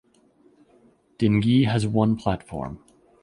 Dingee has one platform.